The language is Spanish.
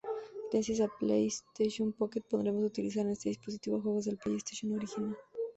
Gracias a Playstation Pocket, podremos utilizar en este dispositivo juegos del PlayStation original.